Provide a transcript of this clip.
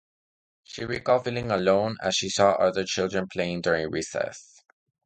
She recalled feeling alone as she saw other children playing during recess.